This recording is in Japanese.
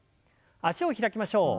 脚を開きましょう。